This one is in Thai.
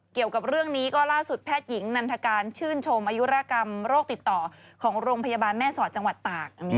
เกี่ยวกับเรื่องนี้ก็ล่าสุดแพทย์หญิงนันทการชื่นชมอายุรากรรมโรคติดต่อของโรงพยาบาลแม่สอดจังหวัดตาก